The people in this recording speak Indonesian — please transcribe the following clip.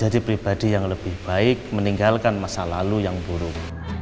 dan mengajarkan masa lalu yang buruk